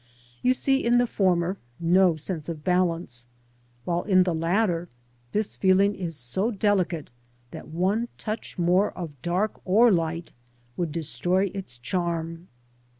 You see in the former no sense of balance, while in the latter this feeling is so delicate that one touch more of dark or light would destroy its charm.